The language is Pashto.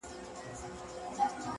ستا د ښکلا په تصور کي یې تصویر ویده دی؛